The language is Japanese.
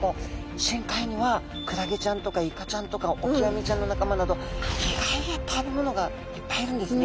深海にはクラゲちゃんとかイカちゃんとかオキアミちゃんの仲間など意外な食べ物がいっぱいいるんですね。